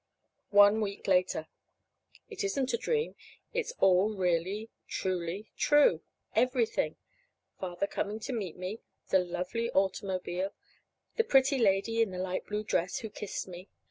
One week later. It isn't a dream. It's all really, truly true everything: Father coming to meet me, the lovely automobile, and the pretty lady in the light blue dress, who kissed me.